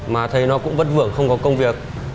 mà thấy nó cũng vất vưởng không có công việc